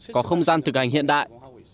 có không gian thực hành hiện đại